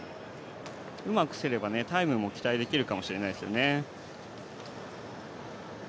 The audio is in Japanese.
うまくすればタイムも期待できるかもしれないですね。